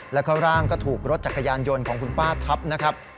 แล้วก็ร่างก็ถูกรถจักรยานยนต์ของคุณป้าทับนะครับ